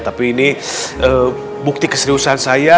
tapi ini bukti keseriusan saya